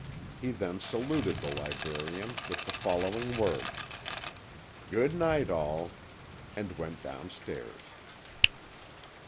He then saluted the librarian with the following words, "Good night, all!" and went downstairs.